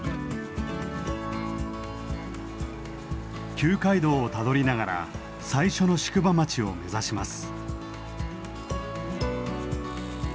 旧街道をたどりながら最初の宿場町を目指します。